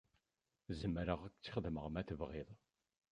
Zemreɣ ad ak-t-xedmeɣ ma tebɣiḍ.